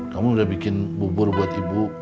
kamu udah bikin bubur buat ibu